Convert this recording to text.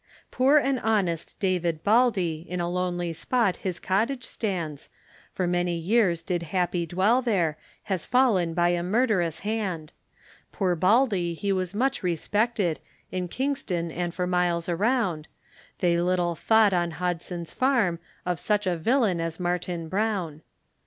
Poor and honest David Baldey, In a lonely spot his cottage stands, For many years did happy dwell there, Has fallen by a murderous hand: Poor Baldey, he was much respected, In Kingston and for miles around, They little thought on Hodson's farm, Of such a villain as Martin Brown.